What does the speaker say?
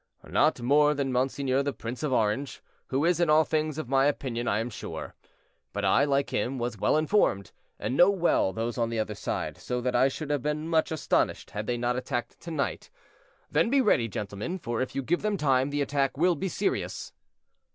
"Not more than Monseigneur the Prince of Orange, who is in all things of my opinion, I am sure. But I, like him, was well informed, and know well those on the other side, so that I should have been much astonished had they not attacked to night. Then be ready, gentlemen, for if you give them time, the attack will be serious."